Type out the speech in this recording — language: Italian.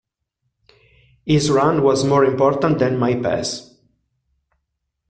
His run was more important than my pass.